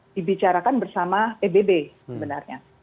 dibicarakan bersama pbb sebenarnya